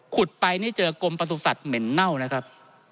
ไปนี่เจอกรมประสุทธิ์เหม็นเน่านะครับ